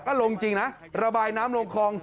ก็ลงจริงนะระบายน้ำลงคลอง